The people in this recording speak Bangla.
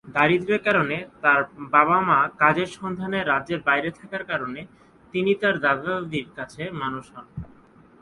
দারিদ্রের কারণে তার বাবা মা কাজের সন্ধানে রাজ্যের বাইরে থাকার কারণে তিনি তার দাদা- দাদীর কাছে মানুষ হন।